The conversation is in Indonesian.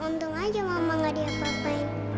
untung aja mama gak diapa apain